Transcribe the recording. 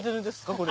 これ。